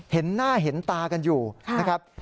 เห็นหน้าเห็นตากันอยู่นะครับ